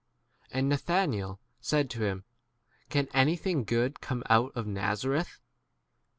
46 And Nathanael said to him, Can anything good come out of Naza reth?